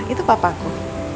itu papa aku